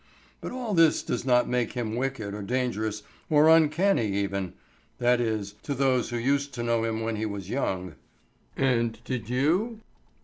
But all this does not make him wicked or dangerous or uncanny even. That is, to those who used to know him when he was young." "And did you?"